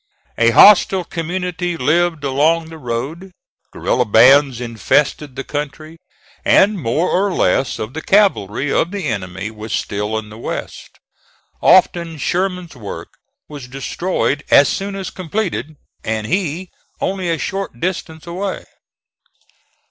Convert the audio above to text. A hostile community lived along the road; guerilla bands infested the country, and more or less of the cavalry of the enemy was still in the West. Often Sherman's work was destroyed as soon as completed, and he only a short distance away.